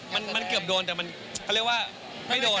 มันเกือบโดนแต่มันเขาเรียกว่าไม่โดน